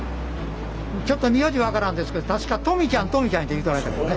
ちょっと名字分からんですけど確か登美ちゃん登美ちゃんっていうておられたけどね。